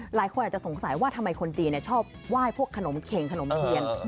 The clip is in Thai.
หลายคนอาจจะสงสัยว่าทำไมคนจีนชอบไหว้พวกขนมเข็งขนมเทียน